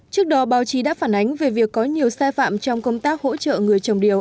trước đó báo chí đã phản ánh về việc có nhiều sai phạm trong công tác hỗ trợ người trồng điều